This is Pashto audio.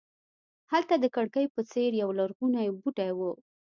هلته د کړکۍ په څېر یولرغونی بوټی و.